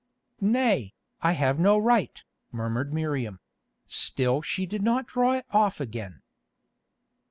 "Nay, I have no right," murmured Miriam; still she did not draw it off again.